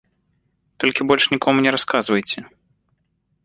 Толькі больш нікому не расказвайце.